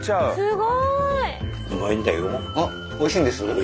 すごい！